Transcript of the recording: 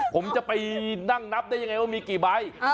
ผมจะไปนั่งนับได้ยังไงว่ามีกี่ใบ